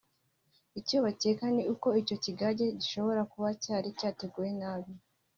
icyo bakeka ni uko icyo kigage gishobora kuba cyari cyateguwe nabi